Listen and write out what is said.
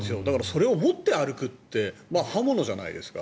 それを持って歩くって刃物じゃないですか。